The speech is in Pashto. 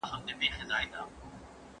راځه چې پۀ سر واړوؤ لمبې پۀ مېخانه کښې